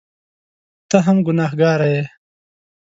ته هم ګنهکاره یې !